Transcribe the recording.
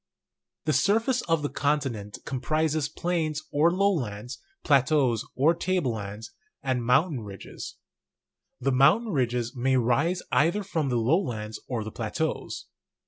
The surface of the continent comprises plains or low lands, plateaus or table lands, and mountain ridges. The mountain ridges may rise either from the lowlands or the plateaus.